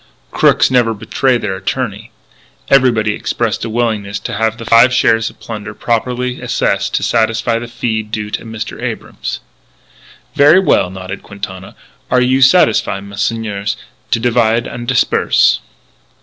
Crooks never betray their attorney. Everybody expressed a willingness to have the five shares of plunder properly assessed to satisfy the fee due to Mr. Abrams. "Ver' well," nodded Quintana, "are you satisfy, messieurs, to divide an' disperse?"